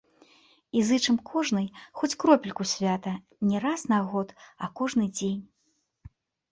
І зычым кожнай хоць кропельку свята не раз на год, а кожны дзень!